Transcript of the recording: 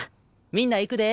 みんな行くで。